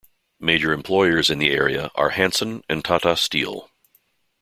Major employers in the area are Hanson and Tata Steel.